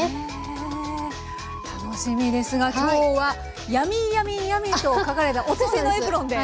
へえ楽しみですが今日はヤミーヤミーヤミーと書かれたお手製のエプロンで。